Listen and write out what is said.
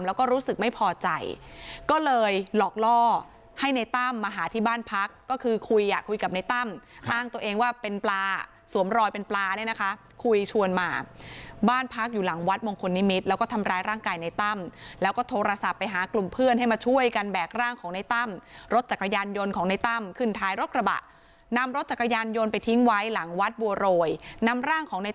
แล้วก็รู้สึกไม่พอใจก็เลยหลอกล่อให้ในตั้มมาหาที่บ้านพักก็คือคุยอ่ะคุยกับในตั้มอ้างตัวเองว่าเป็นปลาสวมรอยเป็นปลาเนี่ยนะคะคุยชวนมาบ้านพักอยู่หลังวัดมงคลนิมิตรแล้วก็ทำร้ายร่างกายในตั้มแล้วก็โทรศัพท์ไปหากลุ่มเพื่อนให้มาช่วยกันแบกร่างของในตั้มรถจักรยานยนต์ของในตั้มขึ้นท้ายรถกระบะนำรถจักรยานยนต์ไปทิ้งไว้หลังวัดบัวโรยนำร่างของใน